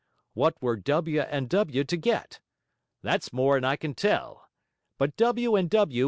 What were W. and W. to get? That's more'n I can tell. But W. and W.